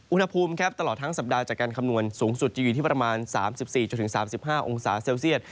อุณหภูมิตลอดทั้งสัปดาห์จากการคำนวณสูงสุด๓๔๓๕องศาเซลเซียต